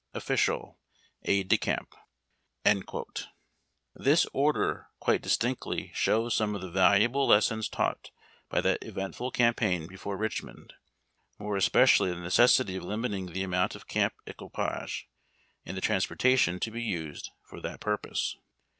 Official Aide de Caiiip. This order quite distinctly shows some of the valuable lessons taught by that eventfid campaign before Rich mond, more especially the necessity of limiting the amount of camp equipage and the transportation to be used for that purpose.